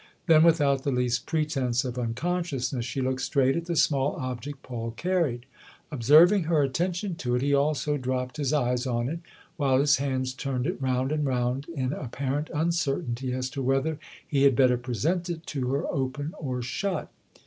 Then without the least pretence of unconsciousness she looked straight at the small object Paul carried. Observing her attention to it he also dropped his i;8 THE OTHER HOUSE eyes on it, while his hands turned it round and round in apparent uncertainty as to whether he had better present it to her open or shut.